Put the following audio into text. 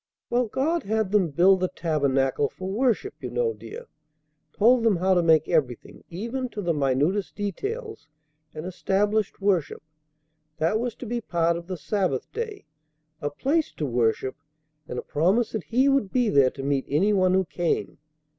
"Well, God had them build the tabernacle for worship, you know, dear; told them how to make everything even to the minutest details, and established worship. That was to be part of the Sabbath day, a place to worship, and a promise that He would be there to meet any one who came.